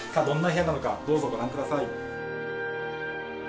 どんな部屋なのかどうぞご覧ください